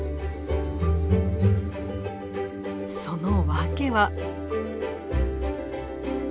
その訳は。